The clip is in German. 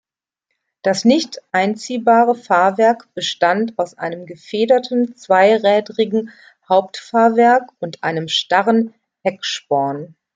Das nicht einziehbare Fahrwerk bestand aus einem gefederten zweirädrigen Hauptfahrwerk und einem starren Hecksporn.